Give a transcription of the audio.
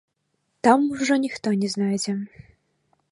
Там ужо ніхто не знойдзе.